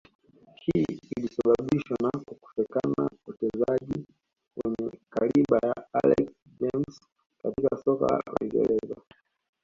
Hii ilisababishwa na kukosekana wachezai wenye kaliba ya Alex James katika soka la uingereza